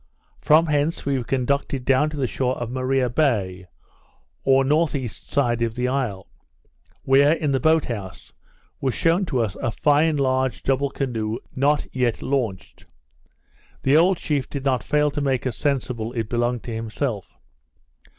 From hence we were conducted down to the shore of Maria Bay, or north east side of the isle; where, in a boat house, was shewn to us a fine large double canoe not yet launched. The old chief did not fail to make us sensible it belonged to himself.